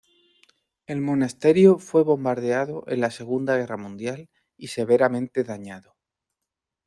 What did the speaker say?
El monasterio fue bombardeado en la Segunda Guerra Mundial y severamente dañado.